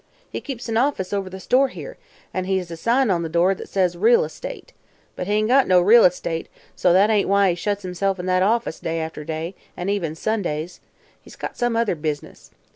"He keeps an office, over the store here, an' he has a sign on the door thet says 'Real Estate.' But he ain't got no real estate, so that ain't why he shuts himself in the office day after day an' even Sundays. He's got some other business.